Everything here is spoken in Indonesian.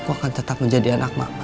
aku akan tetap menjadi anak maku